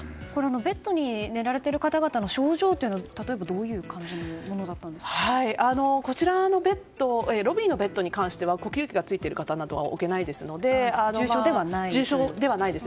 ベッドに寝られている方々の症状というのはロビーのベッドに関しては呼吸器がついている方などは置けないので重症ではないですね。